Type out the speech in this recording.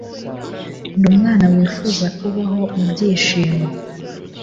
ndi umwana wifuzaga kubaho mu byishimo